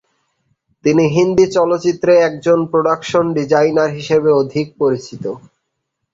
তিনি হিন্দি চলচ্চিত্রে একজন প্রোডাকশন ডিজাইনার হিসেবে অধিক পরিচিত।